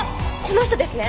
この人ですね？